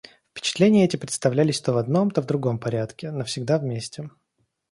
Впечатления эти представлялись то в одном, то в другом порядке, но всегда вместе.